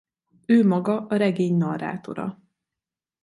Ő maga a regény narrátora.